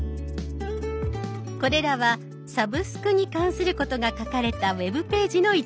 これらは「サブスク」に関することが書かれたウェブページの一覧。